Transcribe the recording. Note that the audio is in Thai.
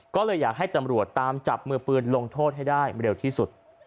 ก็เลยอยากให้ตำรวจตามจับมือปืนลงโทษให้ได้เร็วที่สุด